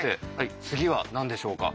次は何でしょうか？